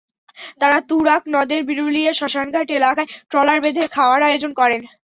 তাঁরা তুরাগ নদের বিরুলিয়া শ্মশানঘাট এলাকায় ট্রলার বেঁধে খাওয়ার আয়োজন করেন।